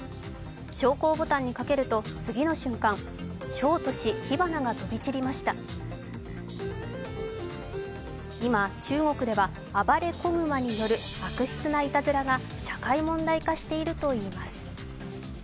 昇降ボタンにかけると、次の瞬間ショートし、火花が飛び散りました今、中国では暴れ小熊に乗る悪質ないたずらが社会問題化しているといいます。